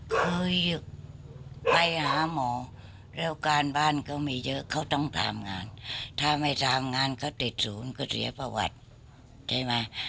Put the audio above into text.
เคยไปหาหมอแล้วการบ้านก็มีเยอะเขาต้องทำงานถ้าไม่ทำงานเขาติดศูนย์ก็เสียประวัติใช่ไหม